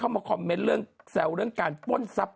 เข้ามาคอมเมนต์แซวเรื่องการป้นทรัพย์